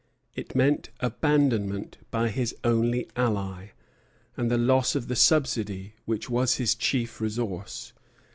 It meant abandonment by his only ally, and the loss of the subsidy which was his chief resource.